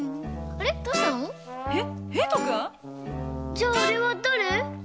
じゃああれはだれ？